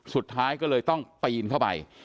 สุดท้ายก็เลยต้องปีนเข้าไป